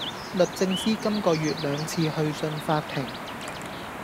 律政司今個月兩次去信法庭